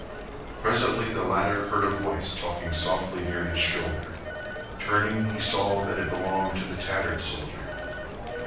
Presently the latter heard a voice talking softly near his shoulder. Turning he saw that it belonged to the tattered soldier.